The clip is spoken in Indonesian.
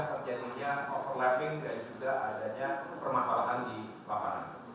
untuk menentukan hal hal yang berbeda atau jadinya overlapping dan juga adanya permasalahan di lapangan